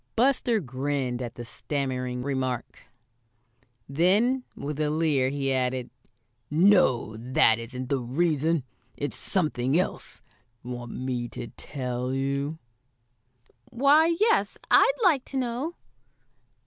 Buster grinned at this stammering remark. Then, with a leer, he added: "No, that isn't the reason. It's something else. Want me to tell you?" "Why, yes, I'd like to know."